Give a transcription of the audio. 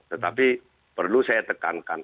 tetapi perlu saya tekankan